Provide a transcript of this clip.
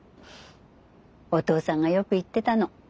お父さんがよく言ってたの。